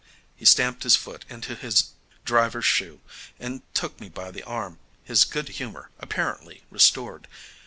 He stamped his foot into his driver's shoe and took me by the arm, his good humour apparently restored.